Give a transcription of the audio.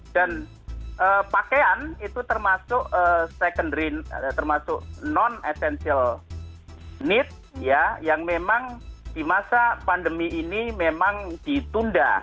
dan pakaian itu termasuk non essential need ya yang memang di masa pandemi ini memang ditunda